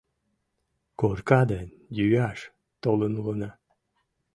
Корка ден йӱаш толын улына.